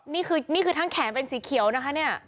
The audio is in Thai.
นี่คือนี่คือทั้งแขนเป็นสีเขียวนะคะเนี่ย